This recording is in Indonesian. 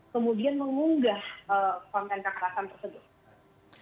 kemudian mengunggah konten kekerasan tersebut